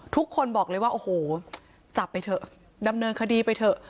ทุกคนบอกเลยว่าโอ้โหจับไปเถอะดำเนินคดีไปเถอะ